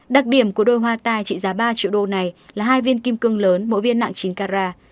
đặc điểm của đôi hoa tai trị giá ba triệu đô này là hai viên kim cương lớn mỗi viên nặng chín carat